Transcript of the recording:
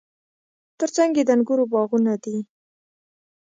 ترڅنګ یې د انګورو باغونه دي.